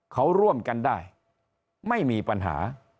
เขาร่วมกันได้ไม่มีปัญหา